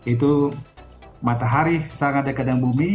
itu matahari sangat dekat dengan bumi